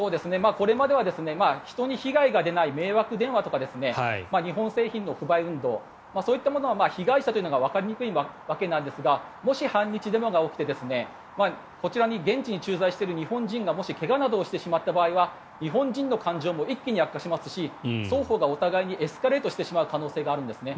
これまでは人に被害が出ない迷惑電話とか日本製品の不買運動そういったものは被害者というのがわかりにくいわけなんですがもし、反日デモが起きてこちらに現地に駐在している日本人がもし怪我などをしてしまった場合は日本人の感情も一気に悪化しますし双方がお互いにエスカレートしてしまう可能性があるんですね。